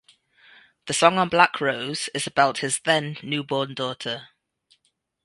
The song on "Black Rose" is about his then new-born daughter.